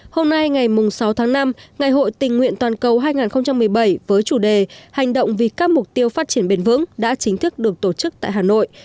hôm nay ngày sáu tháng năm ngày hội tình nguyện toàn cầu hai nghìn một mươi bảy với chủ đề hành động vì các mục tiêu phát triển bền vững đã chính thức được tổ chức tại hà nội